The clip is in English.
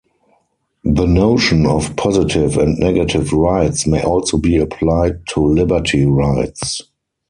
The notion of positive and negative rights may also be applied to liberty rights.